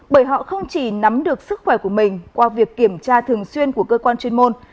bởi họ không chỉ nắm được sức khỏe của mình qua việc kiểm tra thường xuyên của cơ quan chuyên môn